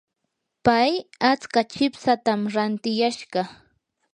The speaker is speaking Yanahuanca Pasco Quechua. pay atska chipsatam rantiyashqa.